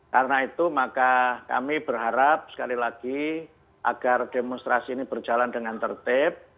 karena itu maka kami berharap sekali lagi agar demonstrasi ini berjalan dengan tertib